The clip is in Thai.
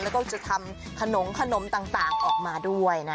แล้วก็จะทำขนมขนมต่างออกมาด้วยนะ